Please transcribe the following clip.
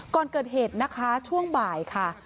ก่อนเกิดเหตุนะคะช่วงบ่ายค่ะ